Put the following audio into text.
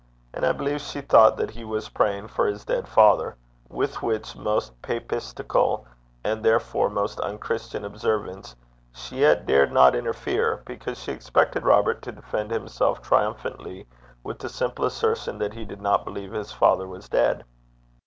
And I believe she thought that he was praying for his dead father; with which most papistical, and, therefore, most unchristian observance, she yet dared not interfere, because she expected Robert to defend himself triumphantly with the simple assertion that he did not believe his father was dead.